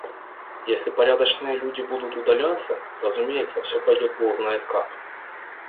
Если порядочные люди будут удаляться, разумеется, всё пойдет Бог знает как.